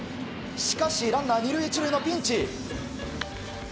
しかしランナー２塁１塁のピンチ。